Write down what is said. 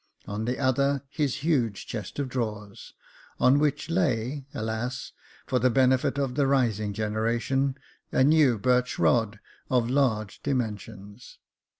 On the other his huge chest of drawers, on which lay, alas ! for the benefit of the rising generation, a new birch rod, of large dimensions.